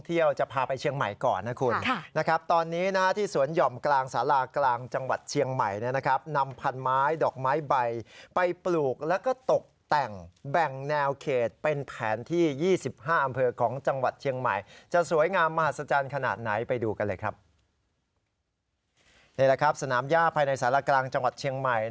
นี่แหละครับสนามย่าภายในสารกลางจังหวัดเชียงใหม่